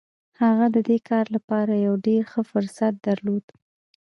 هغه د دې کار لپاره يو ډېر ښه فرصت درلود.